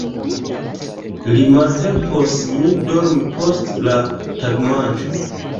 Li malhelpos min dormi post la tagmanĝo.